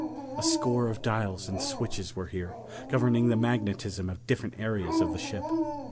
A score of dials and switches were here, governing the magnetism of different areas of the ship.